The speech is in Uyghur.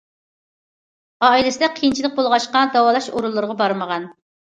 ئائىلىسىدە قىيىنچىلىق بولغاچقا داۋالاش ئورۇنلىرىغا بارمىغان.